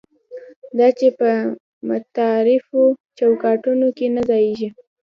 دا چې په متعارفو چوکاټونو کې نه ځایېږي.